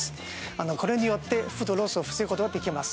あのこれによってフードロスを防ぐことができます